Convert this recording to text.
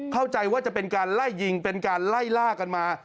เข้าใจว่าจะเป็นการไล่ยิงเป็นการไล่ล่ากันมา